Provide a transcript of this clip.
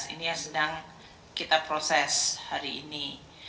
ini yang sedang kita proses hari ini